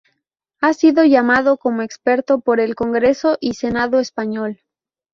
Ha sido llamado como experto por el Congreso y Senado Español.